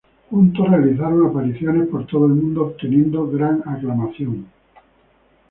Juntos realizaron apariciones por todo el mundo, obteniendo gran aclamación.